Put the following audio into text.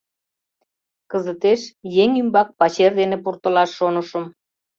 — Кызытеш еҥ ӱмбак пачер дене пуртылаш шонышым.